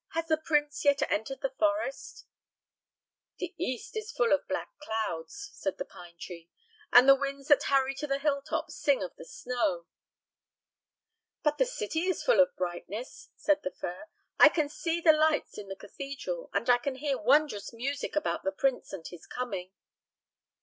Has the prince yet entered the forest?" "The east is full of black clouds," said the pine tree, "and the winds that hurry to the hill tops sing of the snow." "But the city is full of brightness," said the fir. "I can see the lights in the cathedral, and I can hear wondrous music about the prince and his coming."